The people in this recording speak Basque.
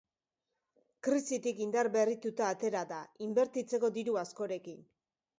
Krisitik indarberrituta atera da, inbertitzeko diru askorekin.